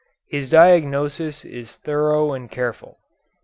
His diagnosis is thorough and careful.